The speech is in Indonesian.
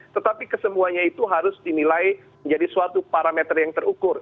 tetapi kesemuanya itu harus dinilai menjadi suatu parameter yang terukur